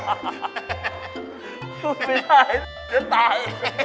พูดไม่ได้จะตาย